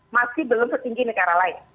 masih belum setinggi negara lain